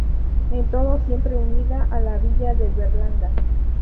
En todo siempre unida a la villa de Berlanga.